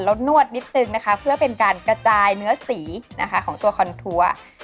แล้วนวดนิดนึงนะคะเพื่อเป็นการกระจายเนื้อสีนะคะของตัวคอนทัวร์